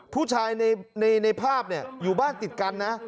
ผู้ชายในภาพอยู่บ้านติดกันนะ